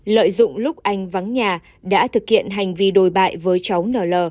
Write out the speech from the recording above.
lợi dụng lúc anh vắng nhà đã thực hiện hành vi đồi bại với cháu n l